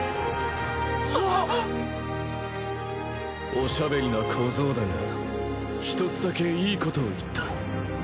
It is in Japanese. おしゃべりな小僧だが１つだけいいことを言った。